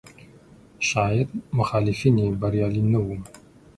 شاید مخالفین یې بریالي نه وو.